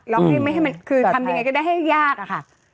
ไม่ให้มันคือทำยังไงก็ได้ให้ยากอะค่ะ